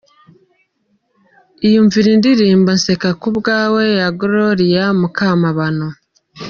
Iyumvire Indirimbo "Nseka ku bwawe ya Gloria Mukamabano.